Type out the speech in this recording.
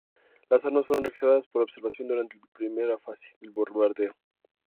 Las armas fueron registradas por observación durante la primera fase del bombardeo.